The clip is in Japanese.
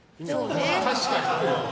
確かにね。